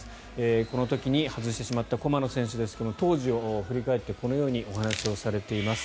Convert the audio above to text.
この時に外してしまった駒野選手ですが当時を振り返ってこのようにお話しされています。